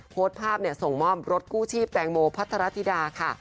โพสต์ภาพส่งมอบรถกู้ชีพแตงโมพัทรธิดาค่ะ